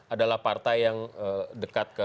adalah partai yang dekat ke